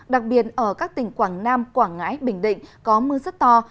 đặc biệt ở các tỉnh quảng nam quảng ngãi bình định có mưa rất to